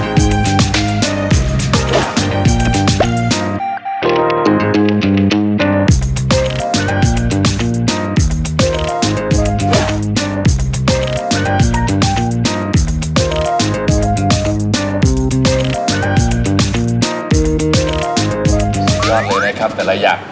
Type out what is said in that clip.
ก็ได้เลยนะครับแต่เราอยาก